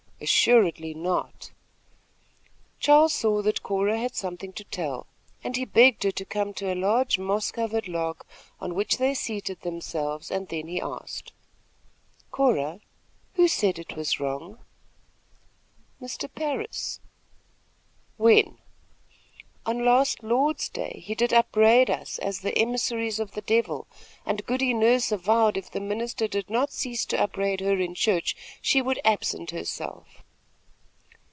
"Assuredly not." Charles saw that Cora had something to tell, and he begged her to come to a large moss covered log, on which they seated themselves, and then he asked: "Cora, who said it was wrong?" "Mr. Parris." "When?" "On last Lord's day he did upbraid us as the emissaries of the Devil, and Goody Nurse avowed if the minister did not cease to upbraid her in church, she would absent herself."